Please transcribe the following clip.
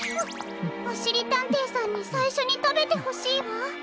おしりたんていさんにさいしょにたべてほしいわ。